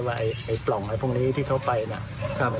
ว่าไอ้ไอ้ปล่องไอ้พวกนี้ที่เข้าไปน่ะครับ